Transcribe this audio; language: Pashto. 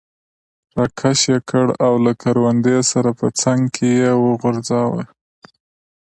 را کش یې کړ او له کروندې سره په څنګ کې یې وغورځاوه.